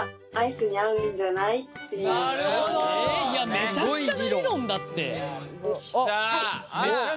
めちゃくちゃな理論だって。来た。